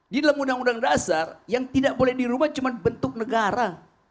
di dalam undang undang dasar yang tidak boleh dirubah cuma bentuk negara